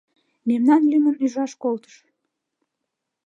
— Мемнам лӱмын ӱжаш колтышт.